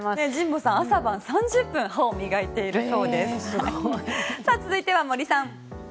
神保さん、朝３０分歯を磨いているそうです。